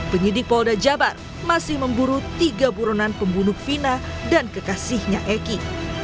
penyidik polda jabar masih memburu tiga buronan pembunuh vina dan kekasihnya eki